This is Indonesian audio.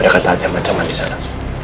ada kata ancaman ancaman disana